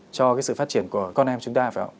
cho cái sự phát triển của con em chúng ta phải